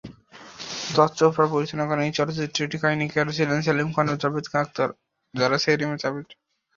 যশ চোপড়ার পরিচালনা করা এই চলচ্চিত্রটির কাহিনীকার ছিলেন সেলিম খান এবং জাভেদ আখতার, যারা সেলিম-জাভেদ জুটি নামে পরিচিত ছিলেন।